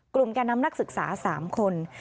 กลุ่มแก่น้ำนักศึกษา๓คน